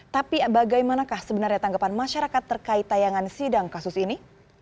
tapi bagaimanakah sebenarnya tanggapan masyarakat terkait tayangan sidang kasus ini